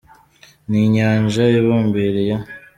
Ni inyanja ibumbiriye